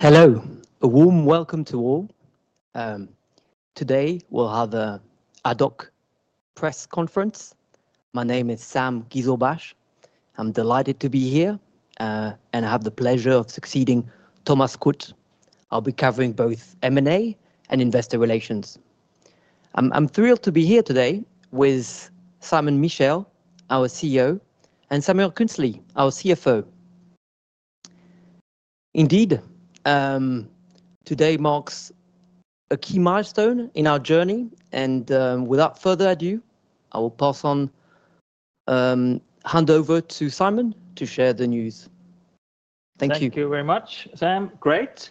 Hello, a warm welcome to all. Today we'll have an ad hoc press conference. My name is Sam Ghezelbash. I'm delighted to be here, and I have the pleasure of succeeding Thomas Kutt. I'll be covering both M&A and investor relations. I'm thrilled to be here today with Simon Michel, our CEO, and Samuel Künzli, our CFO. Indeed, today marks a key milestone in our journey, and without further ado, I will pass on hand over to Simon to share the news. Thank you. Thank you very much, Sam. Great.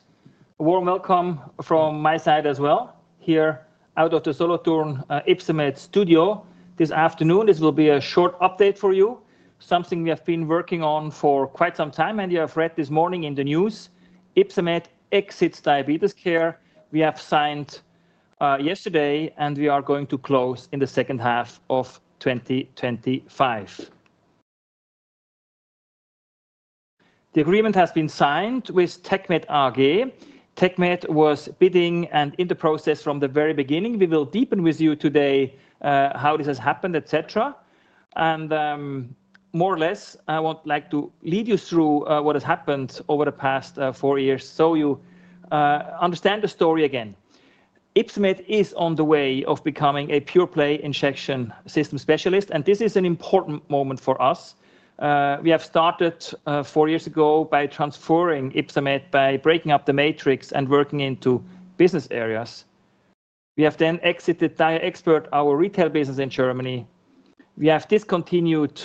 A warm welcome from my side as well here out of the Solothurn Ypsomed Studio this afternoon. This will be a short update for you, something we have been working on for quite some time, and you have read this morning in the news, Ypsomed exits Diabetes Care. We have signed yesterday, and we are going to close in the second half of 2025. The agreement has been signed with TecMed AG. TecMed was bidding and in the process from the very beginning. We will deepen with you today how this has happened, et cetera. More or less, I would like to lead you through what has happened over the past four years so you understand the story again. Ypsomed is on the way of becoming a pure-play injection system specialist, and this is an important moment for us. We have started four years ago by transferring Ypsomed by breaking up the matrix and working into business areas. We have then exited DiaExpert, our retail business in Germany. We have discontinued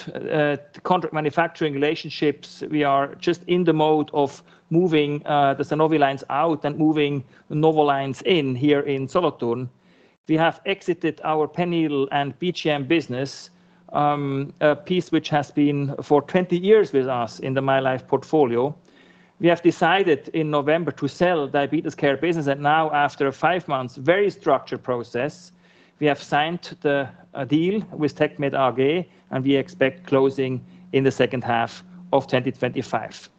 contract manufacturing relationships. We are just in the mode of moving the Sanofi lines out and moving Novo Nordisk in here in Solothurn. We have exited our pen needle and BGM business, a piece which has been for 20 years with us in the mylife portfolio. We have decided in November to sell Diabetes Care business, and now after five months, very structured process, we have signed the deal with TecMed AG, and we expect closing in the second half of 2025.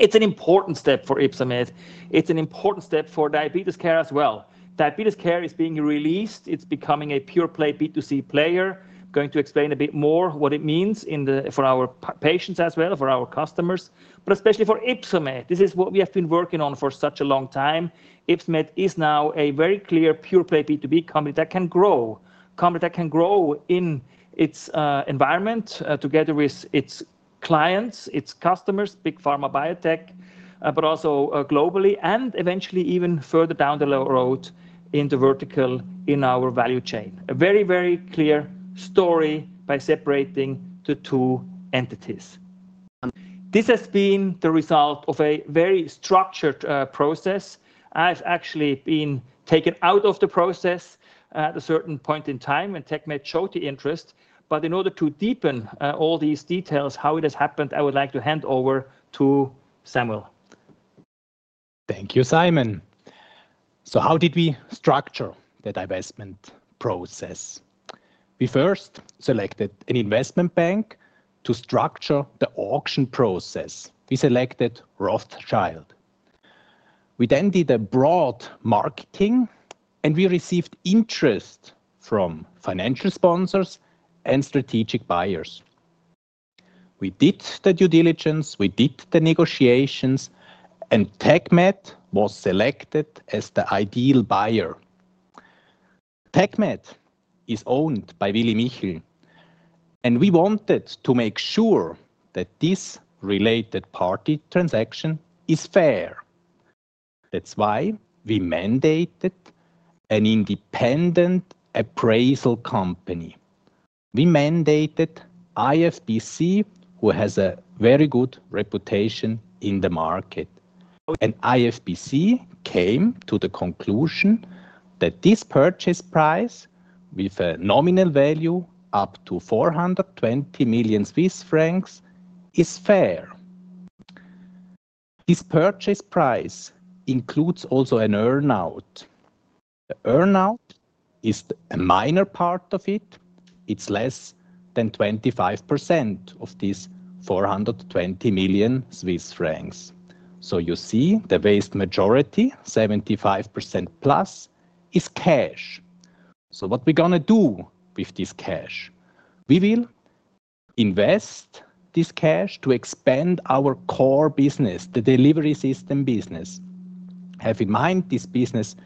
It's an important step for Ypsomed. It's an important step for Diabetes Care as well. Diabetes Care is being released. It's becoming a pure-play B2C player. I'm going to explain a bit more what it means for our patients as well, for our customers, but especially for Ypsomed. This is what we have been working on for such a long time. Ypsomed is now a very clear pure-play B2B company that can grow, a company that can grow in its environment together with its clients, its customers, big pharma biotech, but also globally and eventually even further down the road in the vertical in our value chain. A very, very clear story by separating the two entities. This has been the result of a very structured process. I have actually been taken out of the process at a certain point in time when TecMed showed the interest, but in order to deepen all these details, how it has happened, I would like to hand over to Samuel. Thank you, Simon. How did we structure the divestment process? We first selected an investment bank to structure the auction process. We selected Rothschild. We did a broad marketing, and we received interest from financial sponsors and strategic buyers. We did the due diligence. We did the negotiations, and TecMed was selected as the ideal buyer. TecMed is owned by Willy Michel, and we wanted to make sure that this related party transaction is fair. That is why we mandated an independent appraisal company. We mandated IFBC, who has a very good reputation in the market. IFBC came to the conclusion that this purchase price with a nominal value up to 420 million Swiss francs is fair. This purchase price also includes an earn-out. The earn-out is a minor part of it. It is less than 25% of these 420 million Swiss francs. You see the vast majority, 75%+, is cash. What are we going to do with this cash? We will invest this cash to expand our core business, the delivery system business. Have in mind this business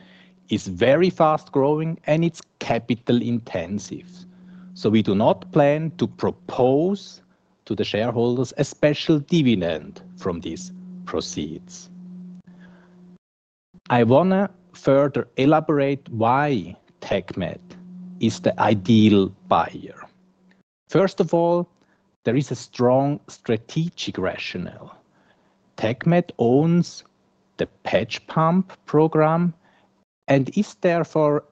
is very fast-growing and it is capital-intensive. We do not plan to propose to the shareholders a special dividend from these proceeds. I want to further elaborate why TecMed is the ideal buyer. First of all, there is a strong strategic rationale. TecMed owns the patch pump program and is therefore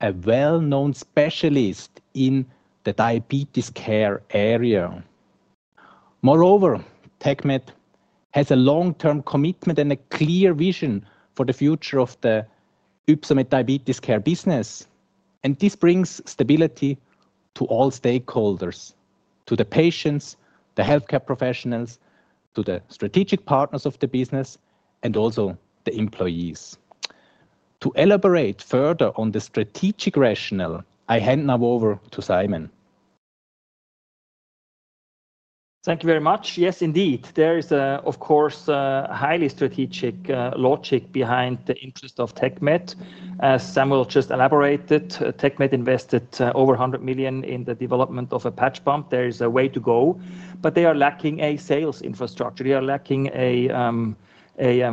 a well-known specialist in the Diabetes Care area. Moreover, TecMed has a long-term commitment and a clear vision for the future of the Ypsomed Diabetes Care business, and this brings stability to all stakeholders, to the patients, the healthcare professionals, to the strategic partners of the business, and also the employees. To elaborate further on the strategic rationale, I hand now over to Simon. Thank you very much. Yes, indeed. There is, of course, a highly strategic logic behind the interest of TecMed. As Samuel just elaborated, TecMed invested over 100 million in the development of a patch pump. There is a way to go, but they are lacking a sales infrastructure. They are lacking a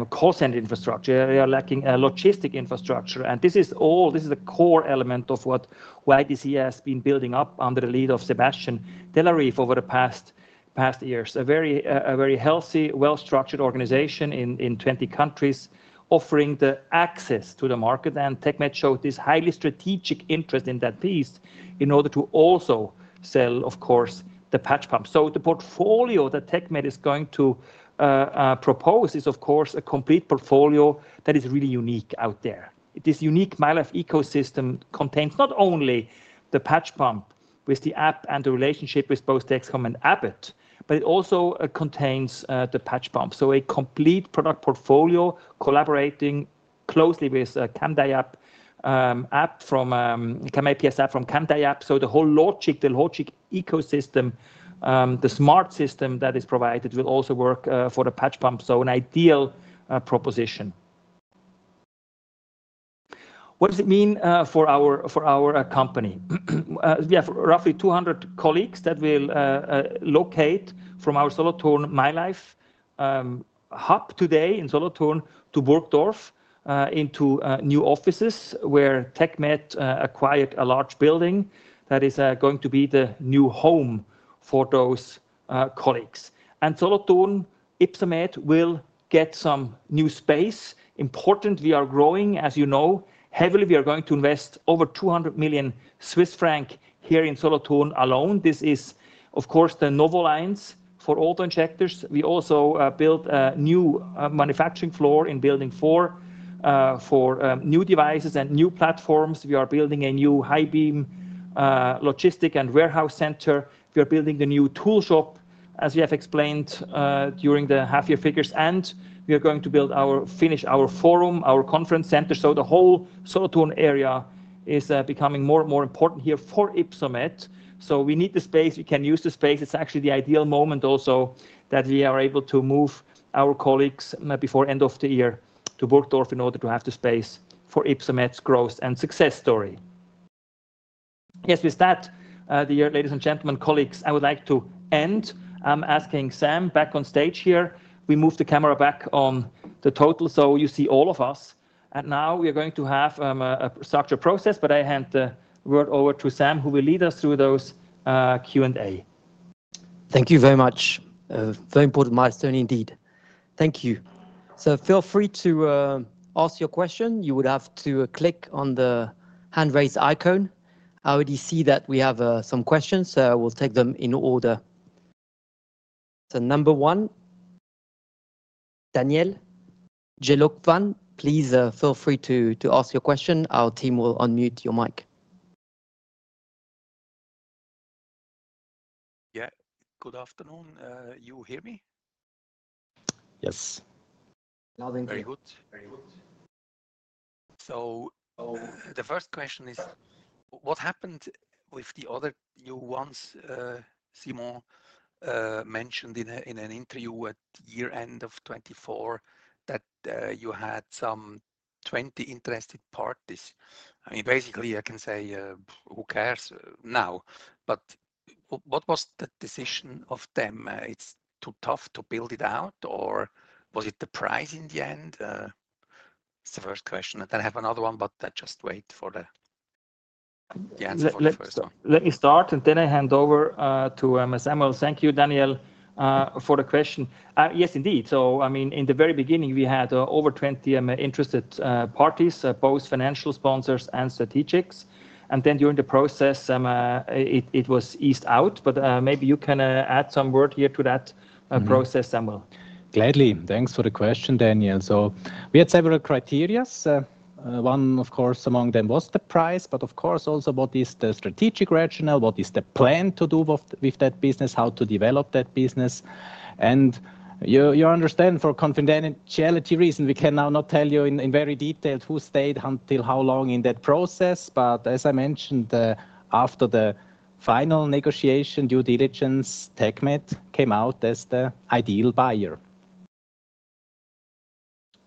call center infrastructure. They are lacking a logistic infrastructure. This is all, this is a core element of what YDC has been building up under the lead of Sebastian Delarue over the past years. A very healthy, well-structured organization in 20 countries offering the access to the market, and TecMed showed this highly strategic interest in that piece in order to also sell, of course, the patch pump. The portfolio that TecMed is going to propose is, of course, a complete portfolio that is really unique out there. This unique mylife ecosystem contains not only the patch pump with the app and the relationship with both Dexcom and Abbott, but it also contains the patch pump. A complete product portfolio collaborating closely with CamAPS app from CamDiab. The whole logic, the logic ecosystem, the smart system that is provided will also work for the patch pump. An ideal proposition. What does it mean for our company? We have roughly 200 colleagues that will locate from our Solothurn mylife hub today in Solothurn to Burgdorf into new offices where TecMed acquired a large building that is going to be the new home for those colleagues. In Solothurn, Ypsomed will get some new space. Important, we are growing, as you know, heavily. We are going to invest over 200 million Swiss franc here in Solothurn alone. This is, of course, the Novo Nordisk lines for all the injectors. We also built a new manufacturing floor in building four for new devices and new platforms. We are building a new high-bay logistic and warehouse center. We are building the new tool shop, as we have explained during the half-year figures. We are going to finish our forum, our conference center. The whole Solothurn area is becoming more and more important here for Ypsomed. We need the space. We can use the space. It's actually the ideal moment also that we are able to move our colleagues before the end of the year to Burgdorf in order to have the space for Ypsomed's growth and success story. Yes, with that, dear ladies and gentlemen, colleagues, I would like to end. I'm asking Sam back on stage here. We moved the camera back on the total, so you see all of us. Now we are going to have a structured process, but I hand the word over to Sam, who will lead us through those Q&A. Thank you very much. Very important milestone indeed. Thank you. Feel free to ask your question. You would have to click on the hand raise icon. I already see that we have some questions, so I will take them in order. Number one, Daniel Jelovcan, please feel free to ask your question. Our team will unmute your mic. Yeah. Good afternoon. You hear me? Yes. Very good. The first question is, what happened with the other new ones Simon mentioned in an interview at year end of 2024 that you had some 20 interested parties? I mean, basically, I can say who cares now, but what was the decision of them? It's too tough to build it out, or was it the price in the end? It's the first question. I have another one, but I just wait for the answer for the first one. Let me start, and then I hand over to Samuel. Thank you, Daniel, for the question. Yes, indeed. I mean, in the very beginning, we had over 20 interested parties, both financial sponsors and strategics. During the process, it was eased out, but maybe you can add some word here to that process, Samuel. Gladly. Thanks for the question, Daniel. We had several criteria. One, of course, among them was the price, but also what is the strategic rationale, what is the plan to do with that business, how to develop that business. You understand for confidentiality reason, we can now not tell you in very detail who stayed until how long in that process, but as I mentioned, after the final negotiation, due diligence, TecMed came out as the ideal buyer.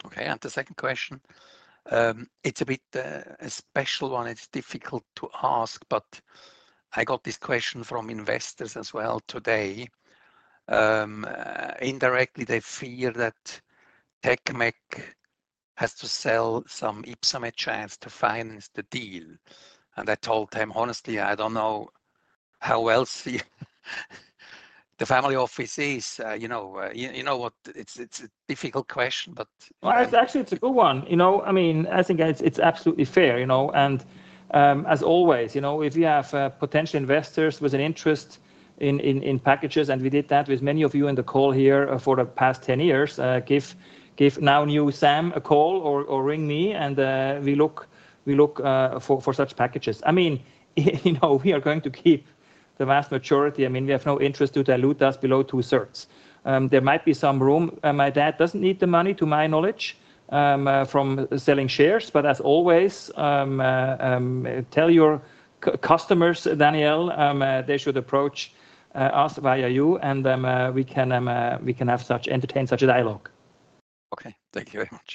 Okay. The second question, it's a bit a special one. It's difficult to ask, but I got this question from investors as well today. Indirectly, they fear that TecMed has to sell some Ypsomed shares to finance the deal. I told them honestly, I don't know how well the family office is. You know what? It's a difficult question, but. Actually, it's a good one. You know, I mean, I think it's absolutely fair. You know, and as always, you know, if you have potential investors with an interest in packages, and we did that with many of you in the call here for the past 10 years, give now new Sam a call or ring me and we look for such packages. I mean, you know, we are going to keep the vast majority. I mean, we have no interest to dilute us below 2/3. There might be some room. My dad doesn't need the money, to my knowledge, from selling shares, but as always, tell your customers, Daniel, they should approach us via you and we can have such, entertain such a dialogue. Okay. Thank you very much.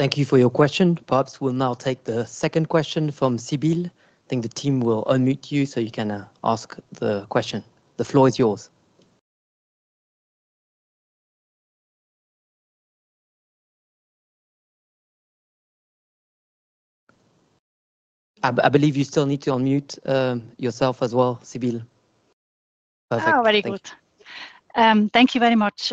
Thank you for your question. Perhaps we'll now take the second question from Sibylle. I think the team will unmute you so you can ask the question. The floor is yours. I believe you still need to unmute yourself as well, Sibylle. Oh, very good. Thank you very much.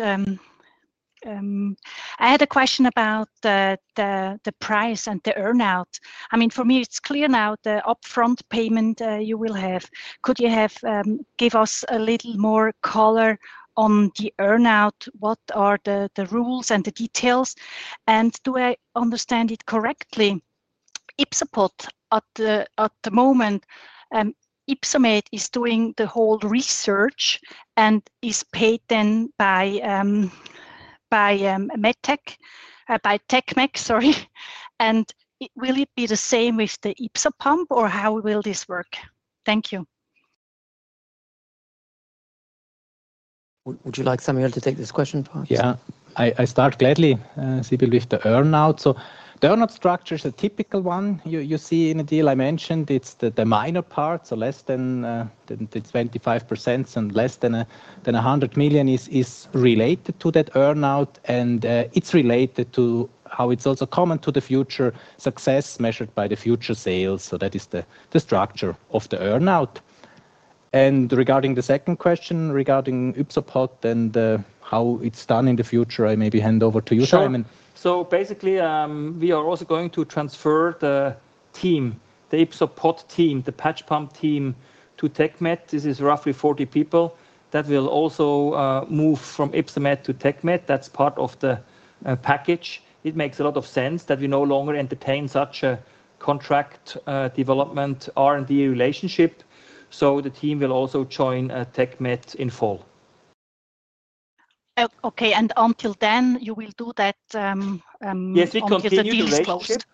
I had a question about the price and the earn-out. I mean, for me, it's clear now the upfront payment you will have. Could you give us a little more color on the earn-out? What are the rules and the details? And do I understand it correctly? Ypsomed at the moment, Ypsomed is doing the whole research and is paid then by TecMed, sorry. And will it be the same with the YpsoPump or how will this work? Thank you. Would you like Samuel to take this question? Yeah, I start gladly, Sibylle, with the earnout. The earnout structure is a typical one you see in a deal. I mentioned it's the minor part, so less than 25% and less than 100 million is related to that earnout. It is related to how it's also common to the future success measured by the future sales. That is the structure of the earnout. Regarding the second question regarding Ypsomed and how it's done in the future, I maybe hand over to you, Simon. Basically, we are also going to transfer the team, the Ypsomed patch pump team, to TecMed. This is roughly 40 people that will also move from Ypsomed to TecMed. That is part of the package. It makes a lot of sense that we no longer entertain such a contract development R&D relationship. The team will also join TecMed in fall. Okay. Until then, you will do that. Yes, we continue to do that.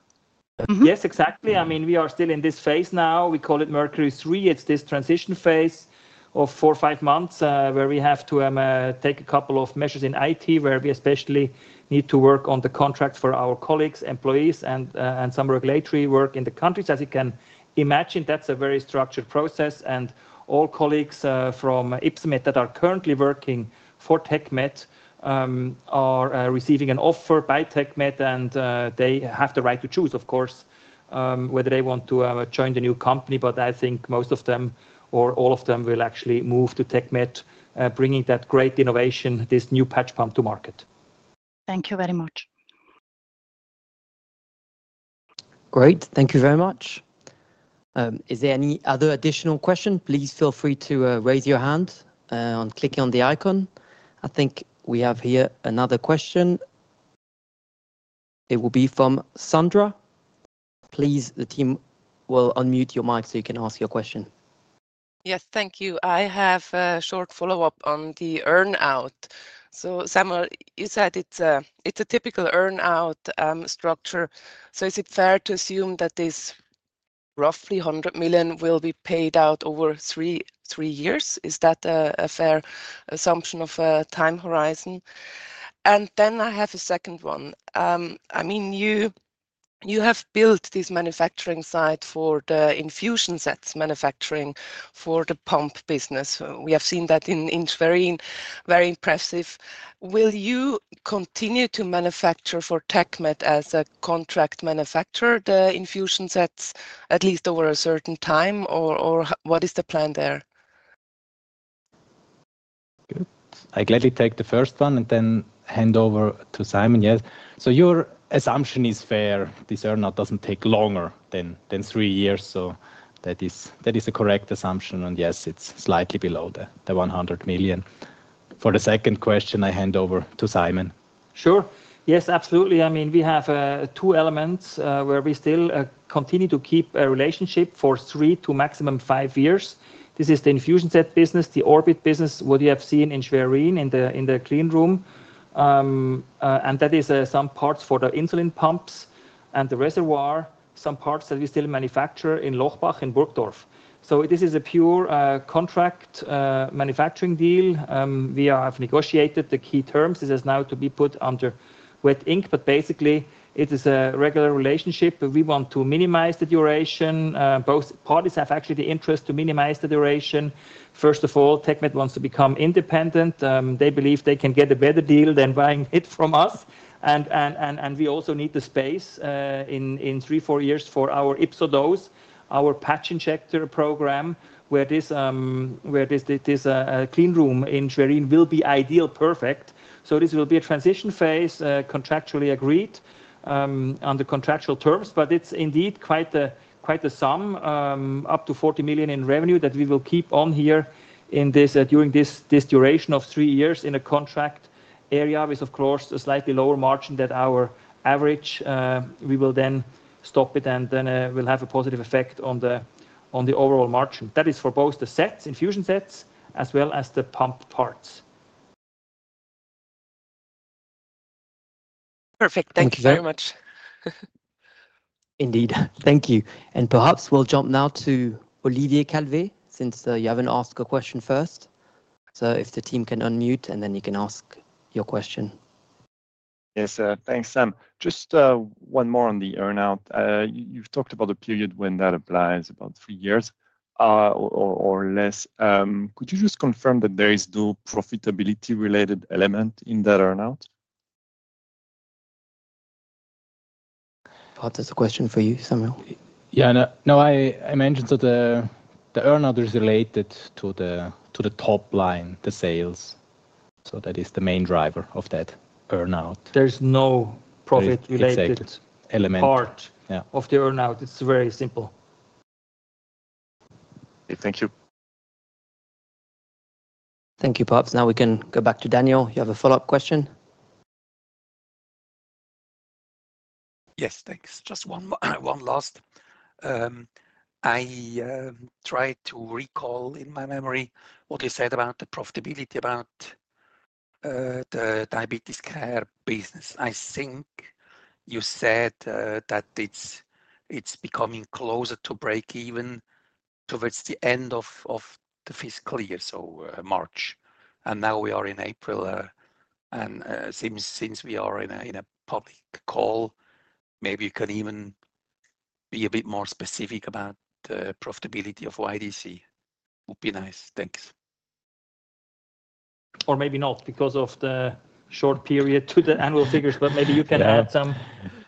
Yes, exactly. I mean, we are still in this phase now. We call it Mercury 3. It's this transition phase of four-five months where we have to take a couple of measures in IT where we especially need to work on the contract for our colleagues, employees, and some regulatory work in the countries. As you can imagine, that's a very structured process. All colleagues from Ypsomed that are currently working for TecMed are receiving an offer by TecMed, and they have the right to choose, of course, whether they want to join the new company. I think most of them or all of them will actually move to TecMed, bringing that great innovation, this new patch pump to market. Thank you very much. Great. Thank you very much. Is there any other additional question? Please feel free to raise your hand and click on the icon. I think we have here another question. It will be from Sandra. Please, the team will unmute your mic so you can ask your question. Yes, thank you. I have a short follow-up on the earn-out. Samuel, you said it's a typical earn-out structure. Is it fair to assume that this roughly 100 million will be paid out over three years? Is that a fair assumption of a time horizon? I have a second one. I mean, you have built this manufacturing site for the infusion sets manufacturing for the pump business. We have seen that, very impressive. Will you continue to manufacture for TecMed as a contract manufacturer, the infusion sets, at least over a certain time, or what is the plan there? I gladly take the first one and then hand over to Simon. Yes. Your assumption is fair. This earnout does not take longer than three years. That is a correct assumption. Yes, it is slightly below the 100 million. For the second question, I hand over to Simon. Sure. Yes, absolutely. I mean, we have two elements where we still continue to keep a relationship for three to maximum five years. This is the infusion set business, the Orbit business, what you have seen in Schwerin in the clean room. That is some parts for the insulin pumps and the reservoir, some parts that we still manufacture in Lochbach in Burgdorf. This is a pure contract manufacturing deal. We have negotiated the key terms. This is now to be put under wet ink, but basically, it is a regular relationship. We want to minimize the duration. Both parties have actually the interest to minimize the duration. First of all, TecMed wants to become independent. They believe they can get a better deal than buying it from us. We also need the space in three, four years for our YpsoDose, our patch injector program, where this clean room in Schwerin will be ideal, perfect. This will be a transition phase, contractually agreed on the contractual terms, but it's indeed quite a sum, up to 40 million in revenue that we will keep on here during this duration of three years in a contract area with, of course, a slightly lower margin than our average. We will then stop it and then we'll have a positive effect on the overall margin. That is for both the sets, infusion sets, as well as the pump parts. Perfect. Thank you very much. Indeed. Thank you. Perhaps we'll jump now to Olivier Calvet since you haven't asked a question first. If the team can unmute, then you can ask your question. Yes, thanks, Sam. Just one more on the earnout. You've talked about a period when that applies, about three years or less. Could you just confirm that there is no profitability-related element in that earnout? Perhaps that's a question for you, Samuel. Yeah. No, I mentioned that the earn-out is related to the top line, the sales. That is the main driver of that earn-out. There's no profit-related part of the earn-out. It's very simple. Thank you. Thank you, perhaps. Now we can go back to Daniel. You have a follow-up question? Yes, thanks. Just one last. I tried to recall in my memory what you said about the profitability about the Diabetes Care business. I think you said that it's becoming closer to break even towards the end of the fiscal year, so March. Now we are in April. Since we are in a public call, maybe you can even be a bit more specific about the profitability of YDC. It would be nice. Thanks. Or maybe not because of the short period to the annual figures, but maybe you can add some.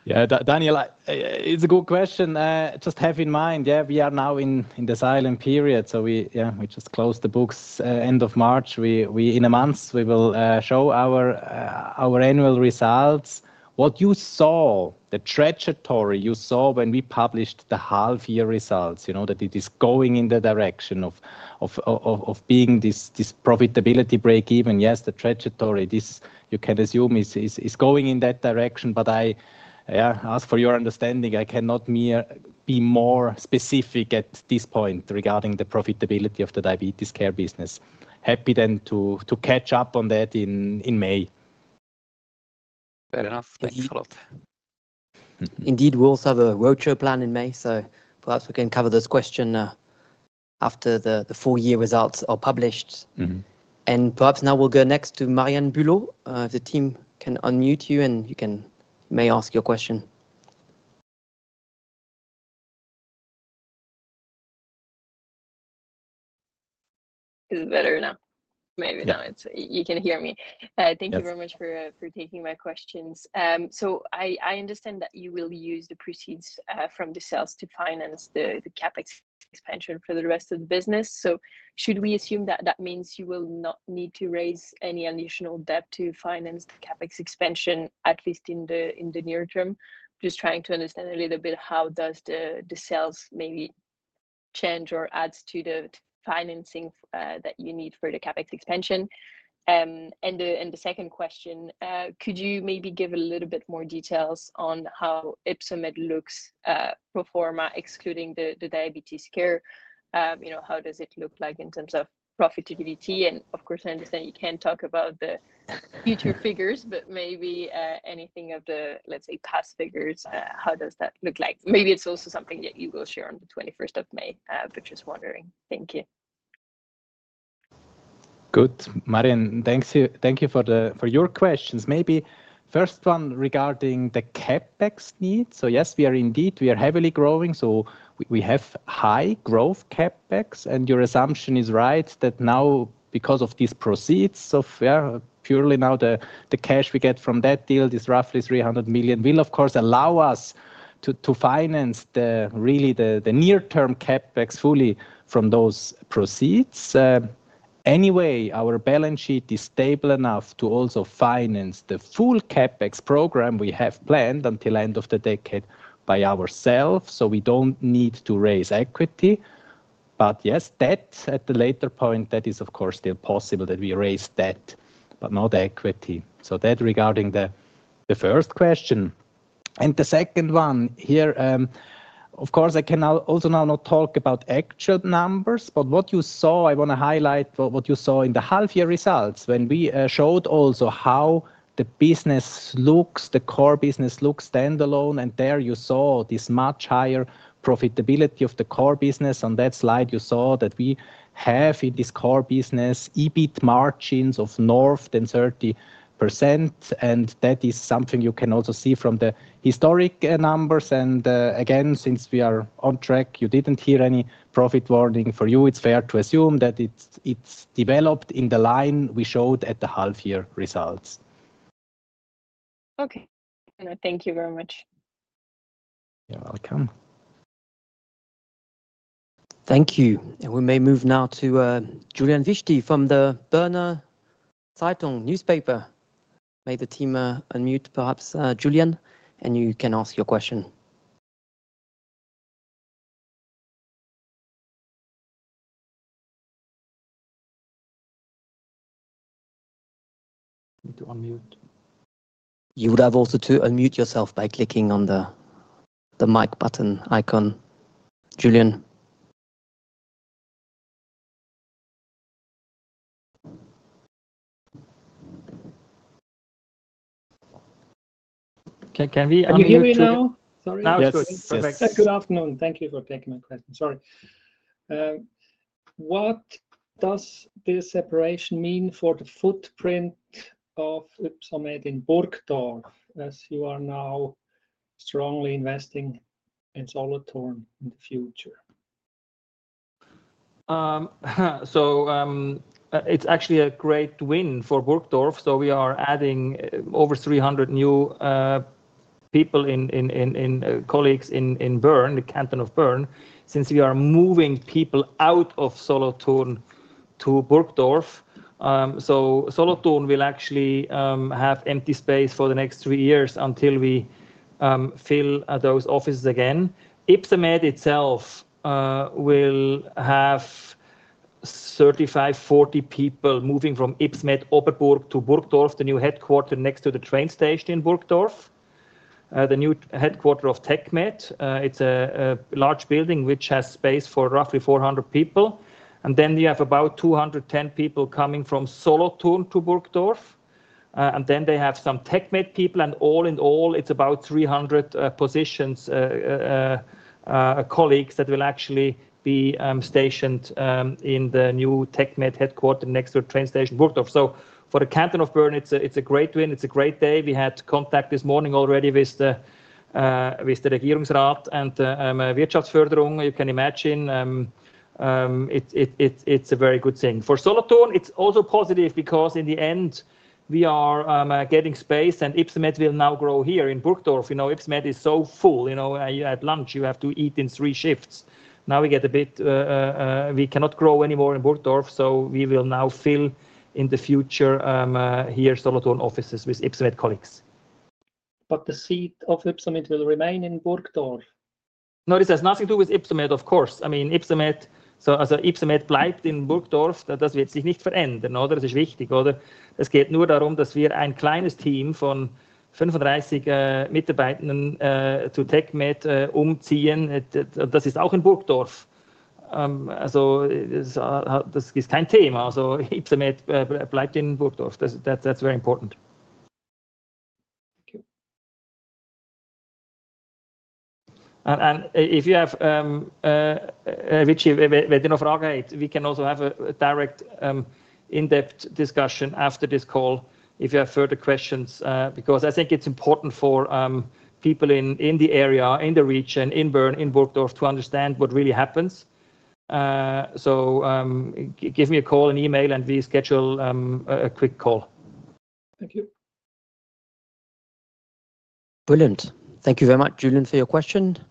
Yeah, Daniel, it's a good question. Just have in mind, yeah, we are now in the silent period. We just closed the books end of March. In a month, we will show our annual results. What you saw, the trajectory you saw when we published the half-year results, you know that it is going in the direction of being this profitability break-even. Yes, the trajectory, you can assume is going in that direction. I ask for your understanding. I cannot be more specific at this point regarding the profitability of the Diabetes Care business. Happy then to catch up on that in May. Fair enough. Thanks a lot. Indeed, we also have a roadshow plan in May. Perhaps we can cover this question after the four-year results are published. Perhaps now we will go next to Marianne Bulot. The team can unmute you and you may ask your question. This is better now. Maybe now you can hear me. Thank you very much for taking my questions. I understand that you will use the proceeds from the sales to finance the CapEx expansion for the rest of the business. Should we assume that that means you will not need to raise any additional debt to finance the CapEx expansion, at least in the near term? I am just trying to understand a little bit how does the sales maybe change or add to the financing that you need for the CapEx expansion. The second question, could you maybe give a little bit more details on how Ypsomed looks pro forma, excluding the Diabetes Care? How does it look like in terms of profitability? Of course, I understand you can't talk about the future figures, but maybe anything of the, let's say, past figures, how does that look like? Maybe it's also something that you will share on the 21st of May, but just wondering. Thank you. Good. Marianne, thank you for your questions. Maybe first one regarding the CapEx needs. Yes, we are indeed, we are heavily growing. We have high growth CapEx. Your assumption is right that now, because of these proceeds, purely now the cash we get from that deal is roughly 300 million, will of course allow us to finance really the near-term CapEx fully from those proceeds. Anyway, our balance sheet is stable enough to also finance the full CapEx program we have planned until the end of the decade by ourselves. We do not need to raise equity. Debt at a later point, that is of course still possible that we raise debt, but not equity. That regarding the first question. The second one here, of course, I can also now not talk about actual numbers, but what you saw, I want to highlight what you saw in the half-year results when we showed also how the business looks, the core business looks standalone. There you saw this much higher profitability of the core business. On that slide, you saw that we have in this core business EBIT margins of north than 30%. That is something you can also see from the historic numbers. Again, since we are on track, you did not hear any profit warning for you. It is fair to assume that it has developed in the line we showed at the half-year results. Okay. Thank you very much. You're welcome. Thank you. We may move now to Julian Witschi from the Berner Zeitung newspaper. May the team unmute perhaps, Julian, and you can ask your question. You would have also to unmute yourself by clicking on the mic button icon. Julian. Can you hear me now? Sorry. Now it's good. Good afternoon. Thank you for taking my question. Sorry. What does this separation mean for the footprint of Ypsomed in Burgdorf as you are now strongly investing in Solothurn in the future? It's actually a great win for Burgdorf. We are adding over 300 new people and colleagues in Bern, the canton of Bern, since we are moving people out of Solothurn to Burgdorf. Solothurn will actually have empty space for the next three years until we fill those offices again. Ypsomed itself will have 35-40 people moving from Ypsomed Oberburg to Burgdorf, the new headquarter next to the train station in Burgdorf, the new headquarter of TecMed. It's a large building which has space for roughly 400 people. You have about 210 people coming from Solothurn to Burgdorf. They have some TecMed people. All in all, it's about 300 colleagues that will actually be stationed in the new TecMed headquarter next to the train station in Burgdorf. For the canton of Bern, it's a great win. It's a great day. We had contact this morning already with the Regierungsrat and Wirtschaftsförderung. You can imagine it's a very good thing. For Solothurn, it's also positive because in the end, we are getting space and Ypsomed will now grow here in Burgdorf. Ypsomed is so full. At lunch, you have to eat in three shifts. Now we get a bit we cannot grow anymore in Burgdorf. We will now fill in the future here Solothurn offices with Ypsomed colleagues. The seat of Ypsomed will remain in Burgdorf? No, of course this has nothing to do with Ypsomed. I mean, Ypsomed will remain in Burgdorf. That will not change. That is important. It is only about relocating a small team of 35 employees to TecMed. That is also in Burgdorf. That is not an issue. Ypsomed will remain in Burgdorf. That's very important. Thank you. If you have Vichy, if you have any other questions, we can also have a direct in-depth discussion after this call if you have further questions. I think it's important for people in the area, in the region, in Bern, in Burgdorf to understand what really happens. Give me a call, an email, and we schedule a quick call. Thank you. Brilliant. Thank you very much, Julian, for your question. Thank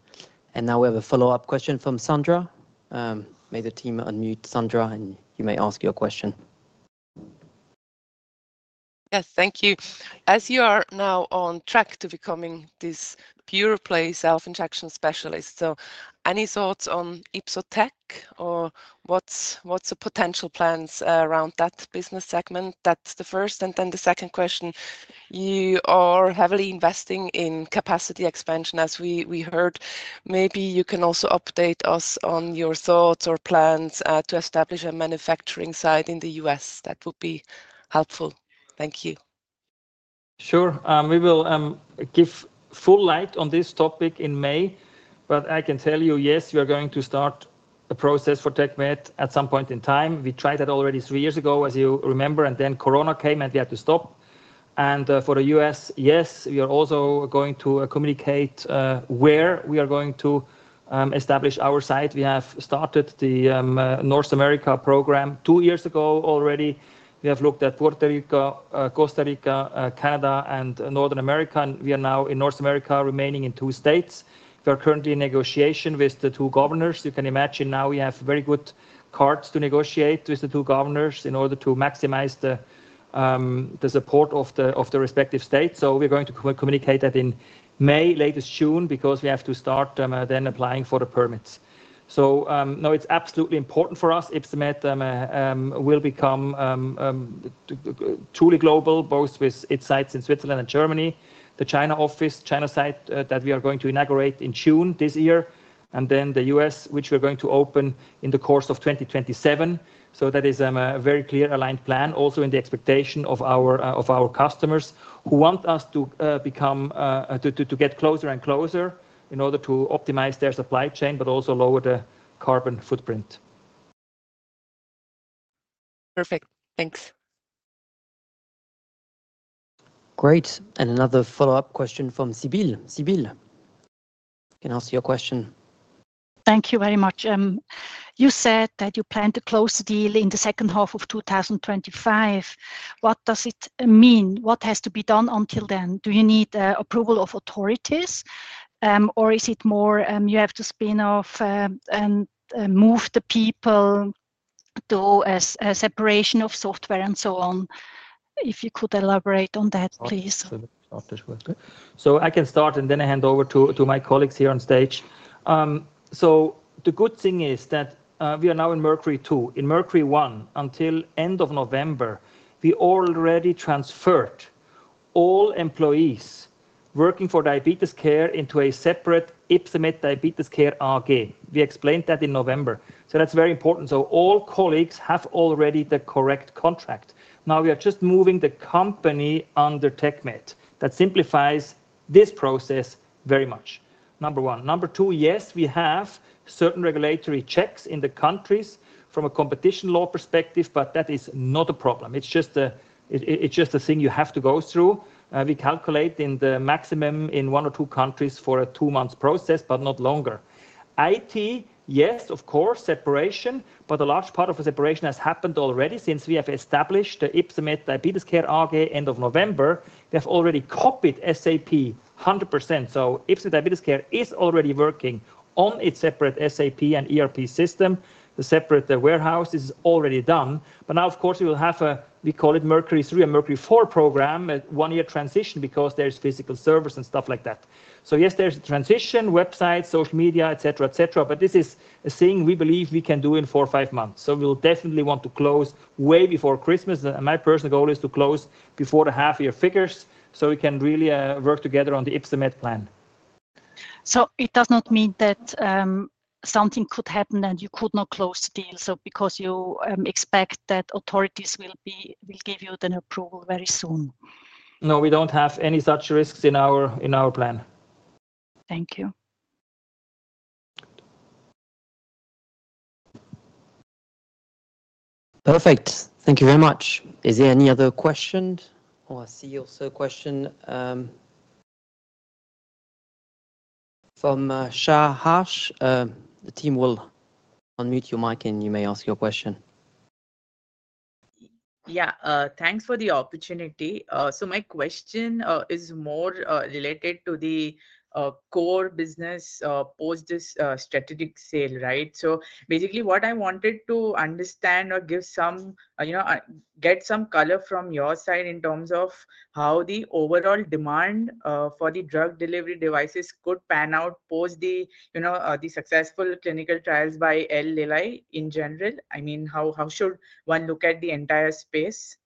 you. Now we have a follow-up question from Sandra. May the team unmute Sandra and you may ask your question. Yes, thank you. As you are now on track to becoming this pure play self-injection specialist, any thoughts on Ypsotec or what are the potential plans around that business segment? That is the first. The second question, you are heavily investing in capacity expansion, as we heard. Maybe you can also update us on your thoughts or plans to establish a manufacturing site in the U.S.. That would be helpful. Thank you. Sure. We will give full light on this topic in May. I can tell you, yes, we are going to start a process for TecMed at some point in time. We tried that already three years ago, as you remember. Corona came and we had to stop. For the US, yes, we are also going to communicate where we are going to establish our site. We have started the North America program two years ago already. We have looked at Puerto Rico, Costa Rica, Canada, and Northern America. We are now in North America, remaining in two states. We are currently in negotiation with the two governors. You can imagine now we have very good cards to negotiate with the two governors in order to maximize the support of the respective states. We're going to communicate that in May, latest June, because we have to start then applying for the permits. No, it's absolutely important for us. Ypsomed will become truly global, both with its sites in Switzerland and Germany, the China office, China site that we are going to inaugurate in June this year, and then the US, which we're going to open in the course of 2027. That is a very clear aligned plan, also in the expectation of our customers who want us to get closer and closer in order to optimize their supply chain, but also lower the carbon footprint. Perfect. Thanks. Great. Another follow-up question from Sibylle. Sibylle, can I ask you a question? Thank you very much. You said that you plan to close the deal in the second half of 2025. What does it mean? What has to be done until then? Do you need approval of authorities, or is it more you have to spin off and move the people to a separation of software and so on? If you could elaborate on that, please. I can start and then I hand over to my colleagues here on stage. The good thing is that we are now in Mercury 2. In Mercury 1, until the end of November, we already transferred all employees working for Diabetes Care into a separate Ypsomed Diabetes Care AG. We explained that in November. That is very important. All colleagues already have the correct contract. Now we are just moving the company under TecMed. That simplifies this process very much. Number one. Number two, yes, we have certain regulatory checks in the countries from a competition law perspective, but that is not a problem. It is just a thing you have to go through. We calculate in the maximum in one or two countries for a two-month process, but not longer. IT, yes, of course, separation, but a large part of the separation has happened already since we have established the Ypsomed Diabetes Care AG end of November. We have already copied SAP 100%. So Ypsomed Diabetes Care is already working on its separate SAP and ERP system, the separate warehouse. This is already done. Now, of course, we will have a, we call it Mercury 3 and Mercury 4 program, a one-year transition because there are physical servers and stuff like that. Yes, there is a transition, website, social media, etc., etc. This is a thing we believe we can do in four or five months. We definitely want to close way before Christmas. My personal goal is to close before the half-year figures so we can really work together on the Ypsomed plan. It does not mean that something could happen and you could not close the deal because you expect that authorities will give you an approval very soon? No, we don't have any such risks in our plan. Thank you. Perfect. Thank you very much. Is there any other question or I see also a question from Shashwat? The team will unmute your mic and you may ask your question. Yeah, thanks for the opportunity. My question is more related to the core business post this strategic sale, right? Basically what I wanted to understand or get some color from your side in terms of how the overall demand for the drug delivery devices could pan out post the successful clinical trials by Eli Lilly in general. I mean, how should one look at the entire space?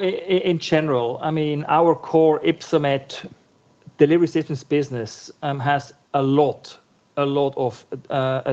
In general, I mean, our core Ypsomed Delivery Systems business has a lot of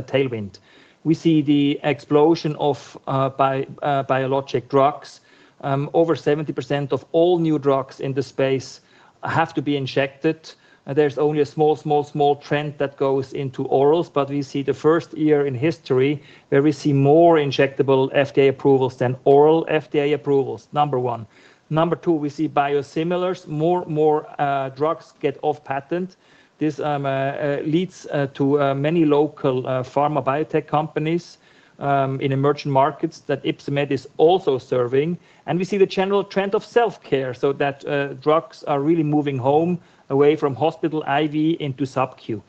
tailwind. We see the explosion of biologic drugs. Over 70% of all new drugs in the space have to be injected. There's only a small, small, small trend that goes into orals. We see the first year in history where we see more injectable FDA approvals than oral FDA approvals, number one. Number two, we see biosimilars. More and more drugs get off patent. This leads to many local pharma biotech companies in emerging markets that Ypsomed is also serving. We see the general trend of self-care so that drugs are really moving home away from hospital IV into subcu.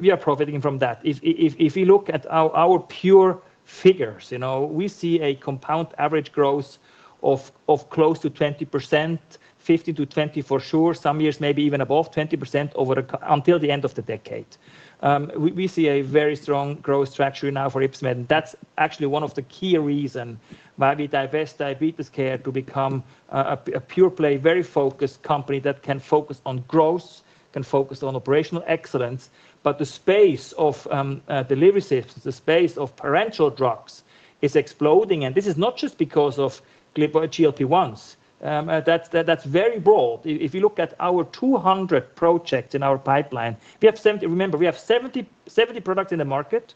We are profiting from that. If we look at our pure figures, we see a compound average growth of close to 20%, 15% to 20% for sure, some years maybe even above 20% until the end of the decade. We see a very strong growth trajectory now for Ypsomed. That is actually one of the key reasons why we divest Diabetes Care to become a pure play, very focused company that can focus on growth, can focus on operational excellence. The space of delivery systems, the space of parenteral drugs is exploding. This is not just because of GLP-1s. That is very broad. If you look at our 200 projects in our pipeline, remember we have 70 products in the market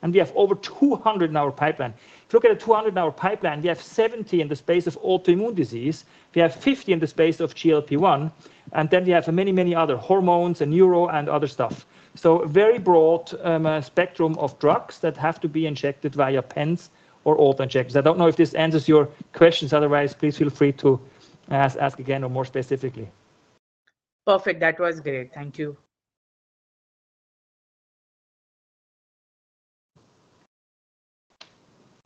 and we have over 200 in our pipeline. If you look at the 200 in our pipeline, we have 70 in the space of autoimmune disease. We have 50 in the space of GLP-1. And then we have many, many other hormones and neuro and other stuff. So very broad spectrum of drugs that have to be injected via pens or auto-injectors. I don't know if this answers your questions. Otherwise, please feel free to ask again or more specifically. Perfect. That was great. Thank you.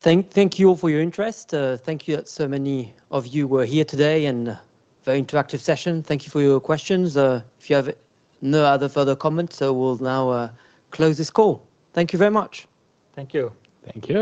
Thank you all for your interest. Thank you that so many of you were here today and for an interactive session. Thank you for your questions. If you have no other further comments, we will now close this call. Thank you very much. Thank you. Thank you.